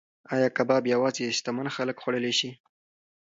ایا کباب یوازې شتمن خلک خوړلی شي؟